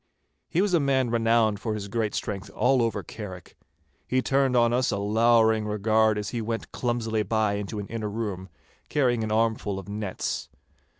He was a man renowned for his great strength all over Carrick. He turned on us a lowering regard as he went clumsily by into an inner room, carrying an armful of nets.